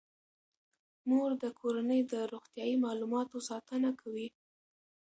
مور د کورنۍ د روغتیايي معلوماتو ساتنه کوي.